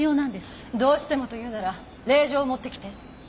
どうしてもというなら令状を持ってきて。